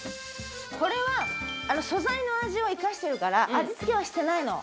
これはあの素材の味を生かしてるから味付けはしてないの。